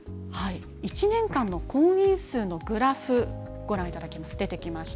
１年間の婚姻数のグラフ、ご覧いただきます。